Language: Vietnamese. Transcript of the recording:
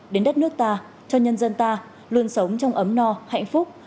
đến đất nước ta cho nhân dân ta luôn sống trong ấm no hạnh phúc